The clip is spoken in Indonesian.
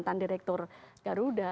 tentang direktur garuda